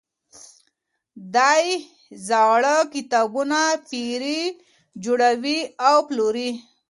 دی زاړه کتابونه پيري، جوړوي او پلوري.